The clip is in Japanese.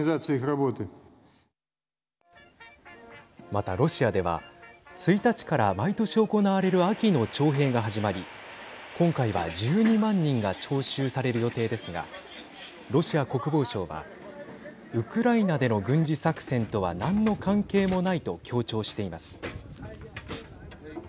また、ロシアでは１日から毎年、行われる秋の徴兵が始まり今回は１２万人が徴集される予定ですがロシア国防省はウクライナでの軍事作戦とは何の関係もないと強調しています。